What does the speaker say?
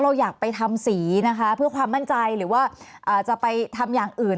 เราอยากไปทำสีนะคะเพื่อความมั่นใจหรือว่าจะไปทำอย่างอื่น